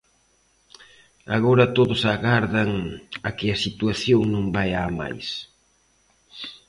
Agora todos agardan a que a situación non vaia a máis.